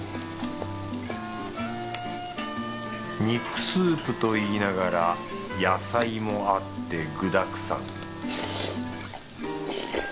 肉スープといいながら野菜もあって具だくさん